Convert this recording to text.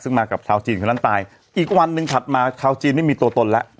ซึ่งมากับชาวจีนคนนั้นตายอีกวันหนึ่งถัดมาชาวจีนนี่มีตัวตนแล้ว